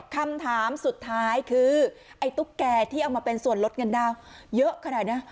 คำถามสุดท้ายคือไอ้ตุ๊กแก่ที่เอามาเป็นส่วนลดเงินดาวเยอะขนาดนี้